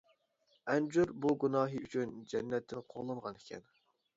ئەنجۈر بۇ گۇناھى ئۈچۈن جەننەتتىن قوغلانغان ئىكەن.